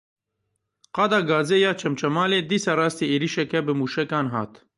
Qada gazê ya Çemçemalê dîsa rastî êrişeke bi mûşekan hat.